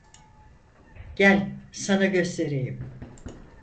Gel, sana göstereyim.